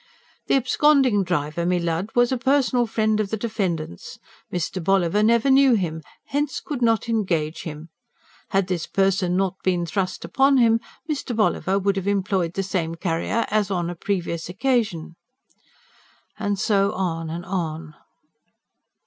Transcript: "The absconding driver, me Lud, was a personal friend of the defendant's. Mr. Bolliver never knew him; hence could not engage him. Had this person not been thrust upon him, Mr. Bolliver would have employed the same carrier as on a previous occasion." And so on and on.